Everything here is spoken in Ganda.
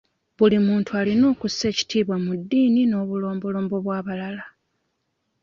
Buli muntu alina okussa ekitiibwa mu ddiini n'obulombolombo bw'abalala.